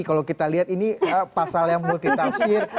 kalau kita lihat ini pasal yang multi tafsir